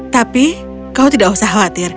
tapi kau tidak usah khawatir